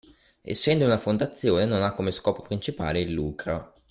Essendo una fondazione non ha come scopo principale il lucro.